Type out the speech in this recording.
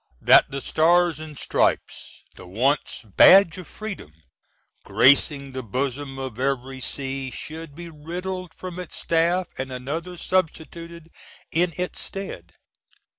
That the "Stars and Stripes" the (once) badge of freedom, gracing the bosom of every sea should be riddled from its staff and another substituted in its stead.